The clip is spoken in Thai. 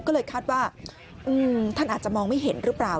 ก็เลยคาดว่าท่านอาจจะมองไม่เห็นหรือเปล่า